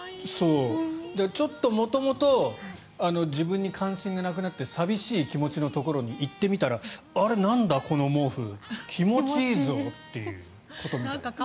ちょっと元々自分に関心がなくなって寂しい気持ちのところに行ってみたらあれ、なんだこの毛布気持ちいいぞっていうことみたいです。